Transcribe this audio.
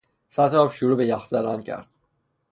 سطح آب شروع به یخ زدن کرد.